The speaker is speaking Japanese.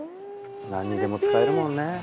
「なんにでも使えるもんね」